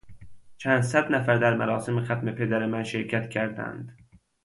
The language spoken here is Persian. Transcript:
چند صد نفر در مراسم ختم پدر من شرکت کردند.